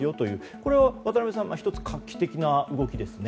これは渡辺さん、１つ画期的な動きですね。